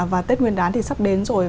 và tết nguyên đán thì sắp đến rồi